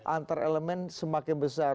antarelemen semakin besar